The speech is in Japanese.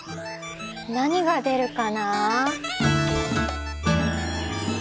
何が出るかな。